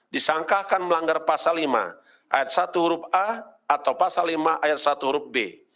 disangkakan melanggar pasal lima ayat satu huruf a atau pasal lima ayat satu huruf b